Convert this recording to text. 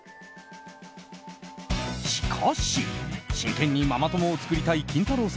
しかし、真剣にママ友を作りたいキンタロー。